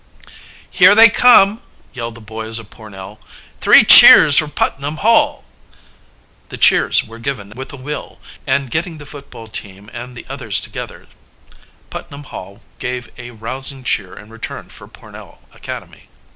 "Here they come!" yelled the boys of Pornell. "Three cheers for Putnam Hall!" The cheers were given with a will; and, getting the football team and the other cadets together, Putnam Hall gave a rousing cheer in return for Pornell Academy.